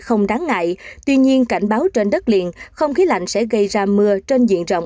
không đáng ngại tuy nhiên cảnh báo trên đất liền không khí lạnh sẽ gây ra mưa trên diện rộng